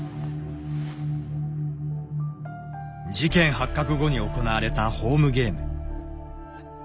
事件発覚後に行われたホームゲーム。